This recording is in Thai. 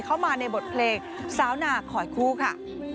เข้ามาในบทเพลงสาวนาคอยคู่ค่ะ